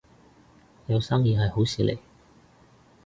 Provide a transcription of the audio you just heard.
有生意係好事嚟